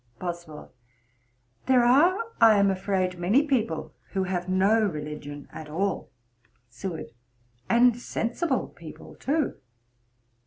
BOSWELL. 'There are, I am afraid, many people who have no religion at all.' SEWARD. 'And sensible people too.'